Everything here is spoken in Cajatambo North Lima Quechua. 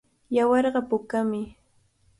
Yawarqa pukami.